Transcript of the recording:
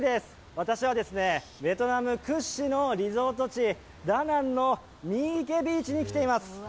私はベトナム屈指のリゾート地ダナンのミーケビーチに来ています。